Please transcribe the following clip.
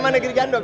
sma negeri gandok